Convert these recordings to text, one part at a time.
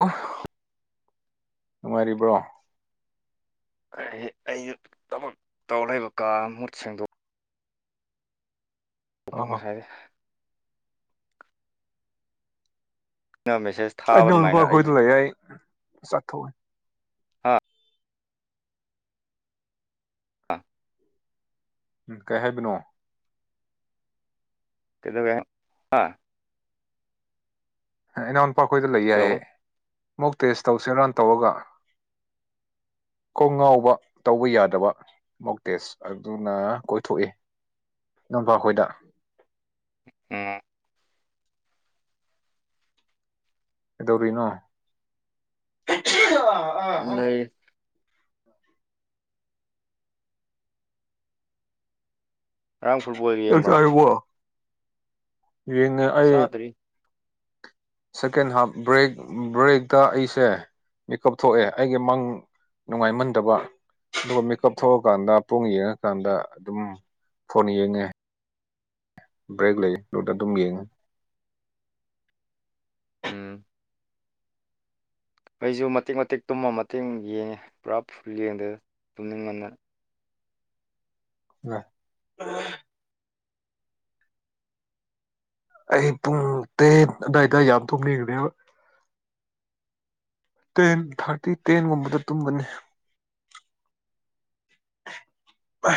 ꯑ ꯑꯗꯨ ꯃꯥꯔꯤꯕ꯭ꯔꯣ ꯑꯩ ꯑꯩꯁꯨ ꯊꯕꯛ ꯇꯧꯔ ꯂꯩꯕ ꯀꯥ ꯃꯍꯨꯠ ꯁꯦꯡꯗꯣꯛꯎ ꯄꯣꯛꯄꯣꯛꯅꯁꯥꯏꯔꯦ ꯃꯦꯁꯦꯖ ꯑ ꯊꯥꯕ ꯅꯅꯨꯄꯥ ꯑꯗꯨꯃꯥꯏꯅ ꯑꯩꯈꯣꯏꯗꯨ ꯂꯩ ꯑꯩ ꯆꯠꯊꯣꯛꯏ ꯍꯥ ꯑꯥ ꯎ ꯀꯍꯦꯕꯅꯣ ꯀꯗꯒ ꯑꯥ ꯏꯅꯥꯎ ꯅꯨꯨꯄꯥꯈꯣꯏꯗ ꯂꯩ ꯍꯜꯂꯣ ꯌꯥꯏꯌꯦꯦ ꯃꯨꯛ ꯇꯦꯁ ꯇꯧꯁꯤꯔꯥꯟ ꯇꯧꯔꯒ [inaudible] ꯀꯣꯡ ꯉꯥꯎꯕ ꯇꯧꯕ ꯌꯥꯗꯕ ꯃꯣꯛꯇꯦꯁ ꯑꯗꯨꯅ ꯀꯣꯏꯊꯣꯛꯏ ꯅꯣꯡꯄꯥ ꯑꯩꯈꯣꯏꯗ ꯑ ꯀꯩꯗꯧꯔꯤꯅꯣ ꯑ ꯑ ꯑꯣ ꯂꯩ ꯉꯔꯥꯡ ꯐꯨꯠꯕꯣꯜ ꯆꯥꯛ ꯌꯦꯡꯕ꯭ꯔꯥ ꯌꯦꯡꯉ ꯑꯩ ꯆꯥꯗ꯭ꯔꯤ ꯁꯦꯀꯦꯟ ꯍꯥꯞ ꯕ꯭ꯔꯦꯛ ꯕ꯭ꯔꯦꯛꯇ ꯑꯩꯁꯦ ꯃꯤꯦꯀꯞ ꯊꯣꯛꯑꯦ ꯑꯩꯒꯤ ꯃꯪ ꯅꯨꯡꯉꯥꯏꯃꯟꯗꯕ ꯑꯗꯨꯒ ꯃꯤꯀꯞ ꯊꯣꯛꯑꯀꯥꯟꯗ ꯄꯨꯡ ꯌꯦꯡꯉꯀꯥꯟꯗ ꯑꯗꯨꯝ ꯐꯣꯟ ꯌꯦꯡꯉꯦ ꯕ꯭ꯔꯦꯛ ꯂꯩ ꯂꯣꯇ ꯑꯗꯨꯝ ꯌꯦꯡꯉꯦ ꯎꯝ ꯑꯩꯁꯨ ꯃꯇꯤꯦꯛ ꯃꯇꯦꯛ ꯇꯨꯝꯃ ꯃꯇꯦꯡ ꯌꯦꯡꯉꯦ ꯄꯨꯔꯥ ꯐꯨꯜ ꯌꯦꯡꯗꯅ ꯇꯨꯝꯅꯤꯡ ꯉꯟꯅ ꯑ ꯑꯩ ꯄꯨꯡ ꯇꯦꯠ ꯑꯗꯨꯋꯥꯏꯗ ꯌꯥꯝ ꯊꯨꯝꯅꯤꯡꯈꯦꯕ ꯇꯦꯟ ꯊꯥꯔꯇꯤ ꯇꯦꯟꯒꯨꯝꯕꯗ ꯇꯨꯝꯕꯅꯤ ꯑ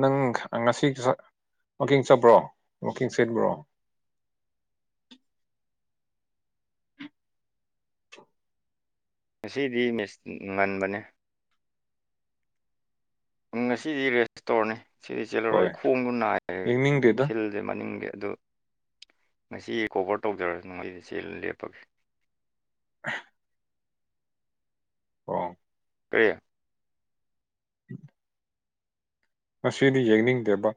ꯅꯪ ꯉꯁꯤ ꯋꯥꯀꯤꯡ ꯆꯕ꯭ꯔꯣ ꯋꯥꯀꯤꯡ ꯆꯦꯟꯕ꯭ꯔꯣ [inaudible] ꯉꯁꯤꯗꯤ ꯃꯤꯁ ꯉꯟꯕꯅꯦ ꯉꯁꯤꯗꯤ ꯔꯦꯁꯇꯣꯔꯣꯟꯅꯤ ꯁꯤꯗꯤ ꯆꯦꯜꯂꯔ ꯍꯣꯏ ꯑꯩ ꯈꯣꯡꯒ ꯅꯥꯏꯔꯦ ꯌꯦꯡꯅꯤꯡꯗꯦꯗ ꯈꯤꯜꯁꯦ ꯃꯅꯤꯡꯗꯦ ꯑꯗꯨ ꯉꯁꯤ ꯀꯣꯚꯔ ꯇꯧꯖꯔꯁꯨꯅꯨ ꯑꯩꯗ ꯆꯦꯜ ꯂꯦꯞꯄꯒꯦ ꯑꯍ ꯑ ꯇꯦ [unintelligible] ꯃꯁꯤꯗꯤ ꯌꯦꯡꯅꯤꯡꯗꯦꯕ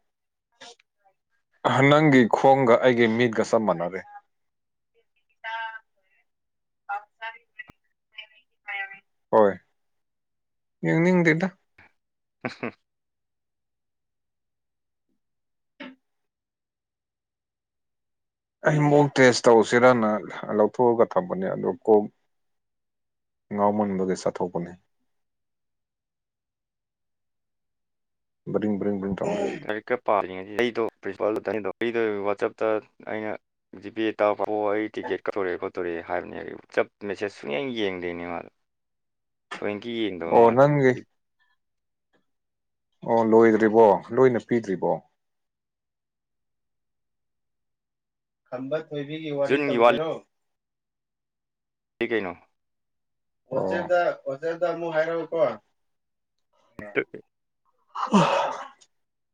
ꯅꯪꯒꯤ ꯈꯣꯡꯒ ꯑꯩꯒ ꯃꯤꯠꯒ ꯆꯞ ꯃꯥꯟꯅꯔꯦ [inaudible] ꯑꯁ ꯍꯣꯏ ꯌꯦꯡꯅꯤꯡꯗꯗ ꯍ ꯍ ꯑꯩ ꯑꯃꯨꯛ ꯇꯦꯁ ꯇꯧꯁꯤꯔꯅ ꯂꯧꯊꯣꯛꯑꯒ ꯊꯝꯕꯅꯦ ꯑꯗꯣ ꯀꯣꯝ ꯉꯥꯎ ꯃꯕꯒꯒꯤ ꯆꯠꯊꯣꯛꯕꯅꯦ [inaudible] [unintelligible] [unintelligible] ꯇ ꯑꯩꯗꯣ ꯋꯥꯆꯞꯇ ꯑꯩꯅ ꯖꯤꯄꯦ ꯇꯥꯔꯛꯄ ꯑꯣ ꯑꯩ ꯇꯤꯛꯀꯦꯠ ꯀꯥꯊꯣꯔꯛꯑꯦꯣ ꯇꯣꯔꯦ ꯍꯥꯏꯕꯅꯦ ꯑꯩ ꯋꯥꯆꯞ ꯃꯦꯁꯦꯁ ꯁꯨꯡꯌꯦꯡ ꯌꯦꯡꯗꯦꯅꯦꯉꯥꯗ ꯇ꯭ꯣꯏꯦꯟꯀꯤꯤ ꯌꯦꯡꯗꯕ ꯑꯣ ꯃꯥꯜꯂꯦ ꯅꯪꯒꯤ ꯑꯣ ꯂꯣꯏꯗ꯭ꯔꯤꯕꯣ ꯂꯣꯏꯅ ꯄꯤꯗ꯭ꯔꯤꯕꯣ ꯈꯝꯕ ꯊꯣꯏꯕꯤꯒꯤ ꯋꯥꯔꯤ ꯖꯨꯟꯒꯤ ꯇꯧꯖꯔꯣ ꯀ ꯀꯩꯩꯅꯣ ꯑꯣꯆꯦꯗ ꯑꯣꯆꯦꯗ ꯃꯨ ꯍꯩꯔꯥꯎ ꯀ ꯇꯀꯦ ꯑ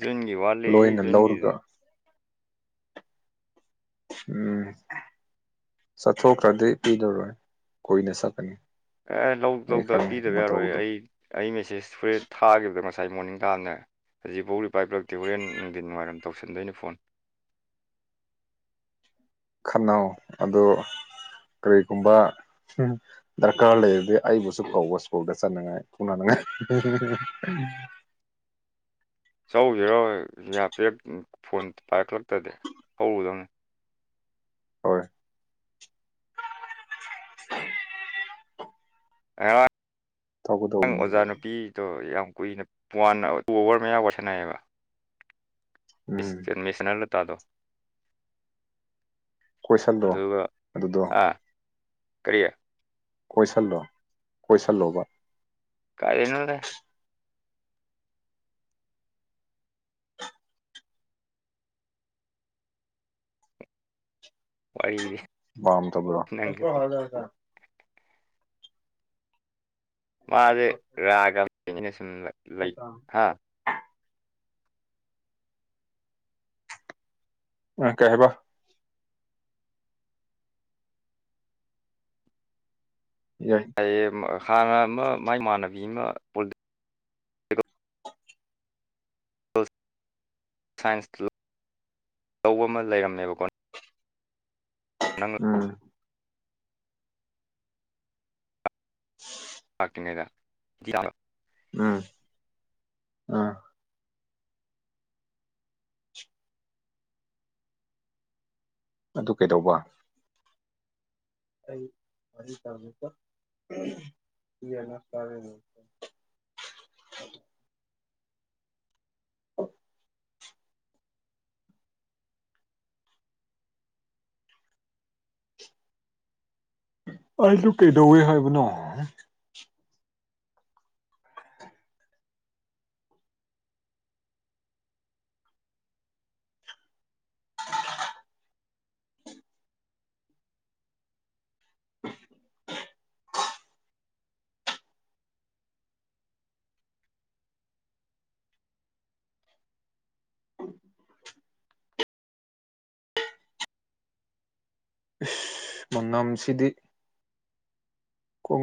ꯌꯨꯟꯒꯤ ꯋꯥꯂꯤ ꯂꯣꯏꯅ ꯌꯨꯟꯒꯤ ꯂꯧꯔꯒ ꯎꯝ ꯆꯠꯊꯣꯛꯈ꯭ꯔꯗꯤ ꯄꯤꯗꯔꯣꯏ ꯀꯨꯏꯅ ꯆꯠꯀꯅꯤ ꯑꯦ ꯂꯧ ꯑꯩ ꯈꯪꯉꯦ ꯄꯤꯗꯕ ꯌꯥꯔꯣꯏ ꯃꯇꯧꯗꯣ ꯑꯩ ꯃꯦꯁꯦꯁ ꯍꯣꯔꯦꯟ ꯊꯥꯈꯤꯕꯗꯅ ꯉꯁꯥꯏ ꯃꯣꯔꯅꯤꯡ ꯇꯥꯅꯦ ꯍꯧꯖꯤꯛꯐꯧꯔꯤ ꯄꯥꯏꯕꯤꯂꯛꯇꯦ ꯍꯣꯔꯦꯟ ꯅꯨꯡꯊꯤꯟ ꯅꯨꯡꯉꯥꯏꯔꯝ ꯇꯧꯁꯟꯗꯣꯏꯅꯤ ꯐꯣꯟ [inaudible] ꯈꯅꯥꯎ ꯑꯗꯣ ꯀꯔꯤꯒꯨꯝꯕ ꯗꯔꯀꯥꯔ ꯂꯩꯔꯗꯤ ꯑꯩꯕꯨꯁꯨ ꯀꯧꯕ ꯁ꯭ꯀꯨꯜꯗ ꯆꯠꯅꯉꯥꯏ ꯎꯅꯅꯤꯡꯉꯥꯏ ꯍ [inaudible] ꯆꯁꯤꯔꯣ ꯌꯥ ꯄꯔꯛ ꯐꯣꯟ ꯄꯥꯏꯔꯛꯂꯛꯇꯗꯤ ꯍꯧꯔꯨꯗꯧꯅꯤ ꯍꯣꯏ ꯉꯔꯥꯡ ꯑꯉꯥꯡ ꯇꯧꯒꯗꯧꯕꯅꯦ ꯑꯣꯖꯥ ꯅꯨꯄꯤꯗꯣ ꯌꯥꯝ ꯀꯨꯏꯅ ꯋꯥꯟ ꯇꯨ ꯑꯋꯥꯔ ꯃꯌꯥ ꯋꯥꯁꯟꯅꯑꯌꯦꯕ ꯎꯝ ꯃꯤꯁ ꯃꯤꯁꯅꯔ ꯂ ꯇꯥꯗꯣ ꯀꯣꯏꯁꯜꯂꯣ ꯑꯗꯨꯗꯣ ꯀꯔꯤꯌꯥ ꯀꯣꯏꯁꯤꯜꯂꯣ ꯀꯣꯏꯁꯤꯜꯂꯣꯕ ꯀꯔꯤꯅꯗꯦ ꯋꯥꯔꯤꯗꯤ ꯋꯥꯝ ꯊ ꯄꯨ꯭ꯔꯥ ꯅꯪꯒꯤꯗꯣ ꯃꯥ ꯑꯗꯨ ꯔꯒꯝ ꯁꯤꯇ ꯎ ꯀꯩꯕ ꯌꯥꯏ ꯍꯥꯟꯅ ꯑꯃ ꯃꯥꯏ ꯏꯃꯥꯟꯅꯕꯤ ꯑꯃ ꯄꯨ ꯁꯥꯏꯟꯁ ꯂꯧꯕ ꯑꯃ ꯂꯩꯔꯝꯃꯦꯕꯀꯣ ꯅꯪ ꯎꯝ ꯔꯥ ꯎꯝ ꯑꯝ ꯑꯗꯨ ꯀꯩꯗꯧꯕ ꯑꯩ ꯃ ꯇꯃꯠꯇ ꯏꯅ ꯐꯥꯔꯦ ꯍꯦ ꯑꯣ ꯑꯩꯨ ꯀꯩꯗꯧꯋꯦ ꯍꯥꯏꯕꯅꯣ [unintelligible] ꯏꯁꯁ ꯃꯅꯝꯁꯤꯗꯤ ꯀꯣ